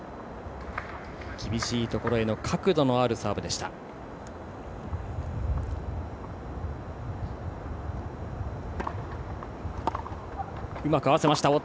厳しいところへの角度のあるサーブでした。